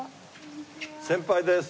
先輩です。